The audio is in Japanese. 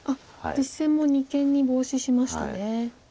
実戦も二間にボウシしましたね。